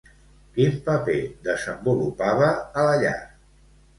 Quin paper desenvolupava a la llar?